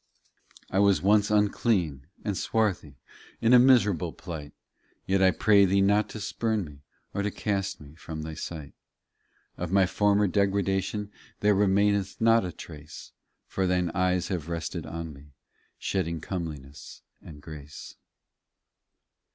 33 I was once unclean and swarthy, In a miserable plight ; Yet I pray Thee not to spurn me, Or to cast me from Thy sight. Of my former degradation, There remaineth not a trace, For Thine eyes have rested on me, Shedding comeliness and grace.